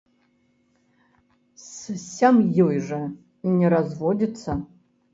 З сям'ёй жа не разводзіцца!